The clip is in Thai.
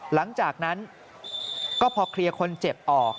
หลังจากนั้นก็พอเคลียร์คนเจ็บออก